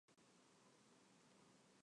但是到时候你努力到死